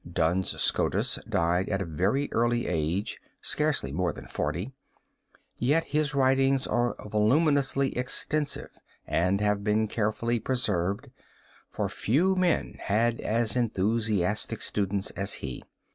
Duns Scotus died at a very early age, scarcely more than forty, yet his writings are voluminously extensive and have been carefully preserved, for few men had as enthusiastic students as he.